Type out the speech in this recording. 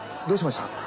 どうしました？